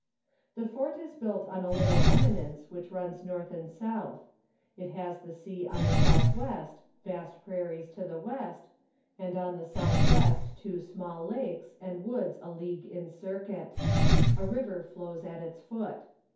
The fort is built on a little eminence which runs north and south ; it has the sea on the southwest, vast prairies to the west, and on the southwest two small lakes, and woods a league in circuit ; a river flows at its foot.